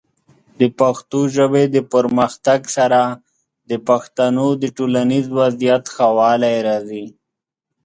د پښتو ژبې د پرمختګ سره، د پښتنو د ټولنیز وضعیت ښه والی راځي.